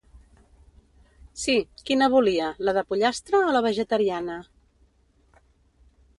Sí, quina volia, la de pollastre o la vegetariana?